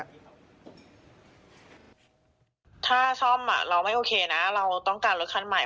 ถ้าซ่อมเราไม่โอเคนะเราต้องการรถคันใหม่